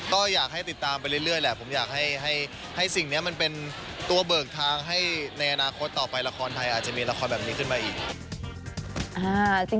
ก็อยากให้ติดตามไปเรื่อยแหละผมอยากให้สิ่งนี้มันเป็นตัวเบิกทางให้ในอนาคตต่อไปละครไทยอาจจะมีละครแบบนี้ขึ้นมาอีก